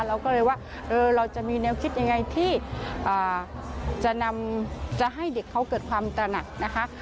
เราก็เรียกว่าเราจะมีแนวคิดอย่างไรที่จะให้เด็กเขาเกิดความตระหนัก